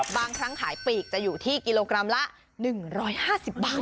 บางครั้งขายปีกจะอยู่ที่กิโลกรัมละ๑๕๐บาท